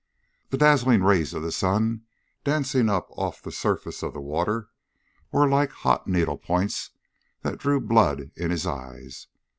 The dazzling rays of the sun dancing up off the surface of the water were like hot needle points that drew blood in his eyes.